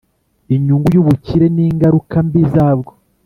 Inyungu y’ubukire n’ingaruka mbi zabwo